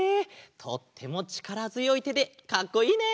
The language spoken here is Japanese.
とってもちからづよいてでかっこいいね！